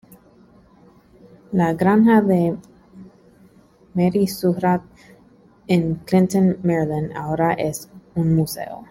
La granja de Mary Surratt en Clinton, Maryland, ahora es un museo.